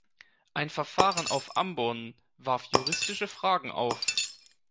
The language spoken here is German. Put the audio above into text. Ein Verfahren auf Ambon warf juristische Fragen auf.